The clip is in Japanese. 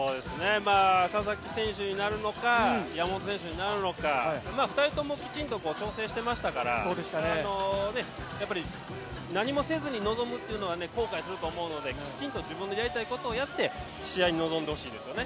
佐々木選手になるのか、山本選手になるのか、２人ともきちんと調整してましたからやっぱり何もせずに臨むというのは後悔しますの手きちんと自分のやりたいことをやって試合に臨んでほしいですよね。